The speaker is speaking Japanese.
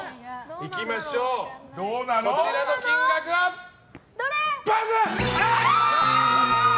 いきましょう、こちらの金額はバスン！